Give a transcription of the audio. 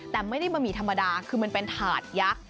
แต่ไม่ได้บะหมี่ธรรมดาคือมันเป็นถาดยักษ์